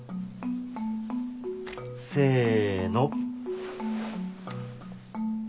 せの。